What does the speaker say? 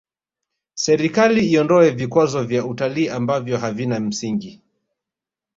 serikali iondoe vikwazo vya utalii ambavyo havina msingi